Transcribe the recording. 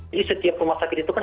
jadi setiap rumah sakit itu kan